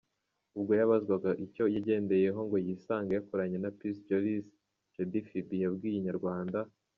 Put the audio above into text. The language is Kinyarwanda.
Ubwo yabazwaga icyo yagendeyeho ngo yisange yakoranye na Peace Jolis, Jody Phibi yabwiye Inyarwanda.